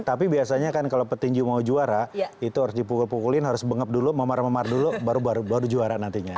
tapi biasanya kan kalau petinju mau juara itu harus dipukul pukulin harus bengep dulu memar memar dulu baru juara nantinya